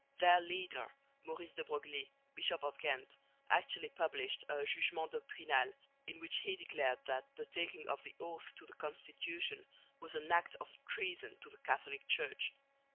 Their leader, Maurice de Broglie, Bishop of Ghent, actually published a jugement doctrinal in which he declared that the taking of the oath to the Constitution was an act of treason to the Catholic Church.